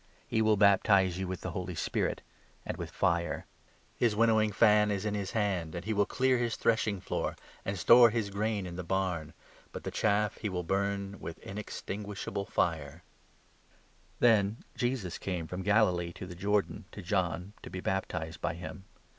He will baptize you with the Holy Spirit and with fire. His winnowing fan is in his hand, and he will clear his 12 threshing floor, and store his grain in the barn, but the chaff he will burn with inextinguishable fire." The Then Jesus came from Galilee to the Jordan, 13 Baptism of to John, to be baptized by him.